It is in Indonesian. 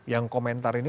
yang komentar ini